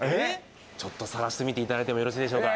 ちょっと探してみていただいても、よろしいでしょうか？